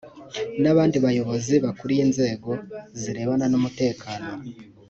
n’abandi bayobozi bakuriye inzego zirebana n’umutekano